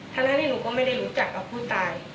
ทั้งที่หนูก็ไม่ได้รู้จักกับผู้ตาย